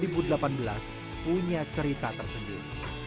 punya cerita tersedih